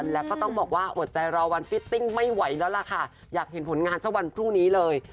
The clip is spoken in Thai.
แล้วก็ต้องบอกว่าอดใจรอวันฟิตติ้งไม่ไหวแล้วล่ะค่ะอยากเห็นผลงานสักวันพรุ่งนี้เลย